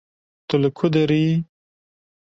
Tu li ku derê yî?